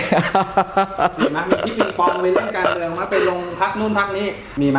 มีคลิปนิ่มปองไปเล่นการเมืองมาไปลงพักนู่นพักนี้มีไหม